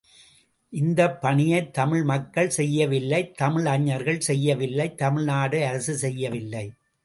இந்தப் பணியைத் தமிழ் மக்கள் செய்யவில்லை தமிழறிஞர்கள் செய்யவில்லை தமிழ்நாடு அரசு செய்யவில்லை.